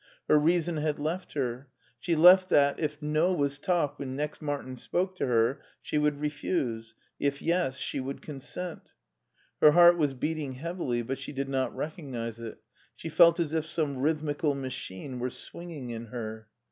Her reason had left her; she left that if No was top when next Martin spoke to her she would refuse, if Yes she would consent. Her heart was beating Ijeavily, but she did not recognize it ; she felt as if some rhythmical machino were swinging in her.